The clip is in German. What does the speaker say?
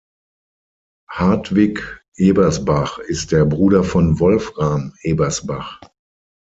Hartwig Ebersbach ist der Bruder von Wolfram Ebersbach.